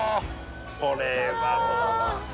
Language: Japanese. これはもうわあ！